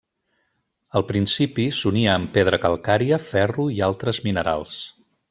Al principi s'unia amb pedra calcària, ferro i altres minerals.